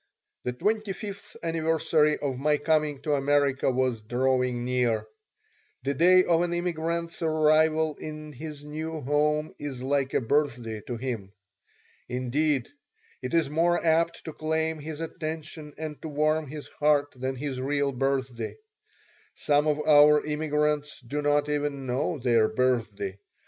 The twenty fifth anniversary of my coming to America was drawing near. The day of an immigrant's arrival in his new home is like a birthday to him. Indeed, it is more apt to claim his attention and to warm his heart than his real birthday. Some of our immigrants do not even know their birthday.